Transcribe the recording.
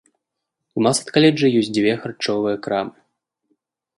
У нас ад каледжа ёсць дзве харчовыя крамы.